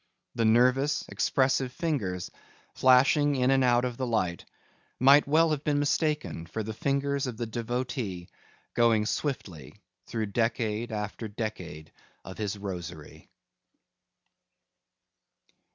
The nervous expressive fingers, flashing in and out of the light, might well have been mistaken for the fingers of the devotee going swiftly through decade after decade of his rosary.